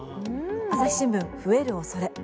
『朝日新聞』増える恐れ。